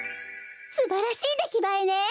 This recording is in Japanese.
すばらしいできばえね！